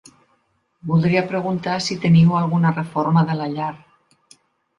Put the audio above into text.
Voldria preguntar si teniu alguna reforma de la llar.